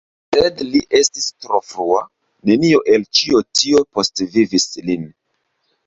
Sed li estis tro frua, nenio el ĉio tio postvivis lin.